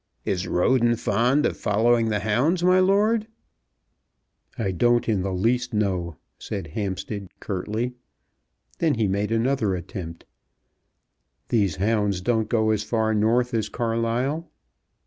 Is Roden fond of following the hounds, my lord?" "I don't in the least know," said Hampstead, curtly. Then he made another attempt. "These hounds don't go as far north as Carlisle?"